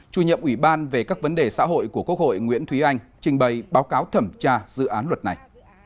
chủ nhiệm ủy ban về các vấn đề xã hội của quốc hội nguyễn thúy anh trình bày báo cáo thẩm tra dự án luật này